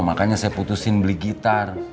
makanya saya putusin beli gitar